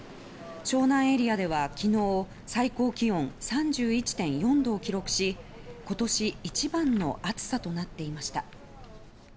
湘南エリアでは昨日最高気温３１．４度を記録し今年一番の暑さとなっていました。